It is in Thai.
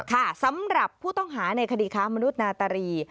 ค่ะสำหรับผู้ต้องหาในคดีค้ามนุษย์นาตรี